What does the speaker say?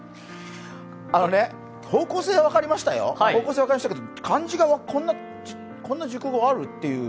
あのね、方向性は分かりましたよ、分かりましたけど、漢字が、こんな熟語ある？っていう。